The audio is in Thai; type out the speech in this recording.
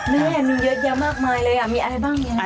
แม่มีเยอะแยะมากมายเลยมีอะไรบ้างอย่างนี้ครับ